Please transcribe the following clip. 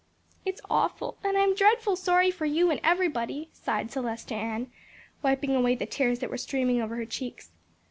"It's awful, and I'm dreadful sorry for you and everybody," sighed Celestia Ann, wiping away the tears that were streaming over her cheeks.